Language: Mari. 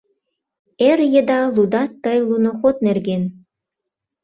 Эр еда лудат тый луноход нерген.